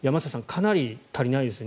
かなり足りないですね。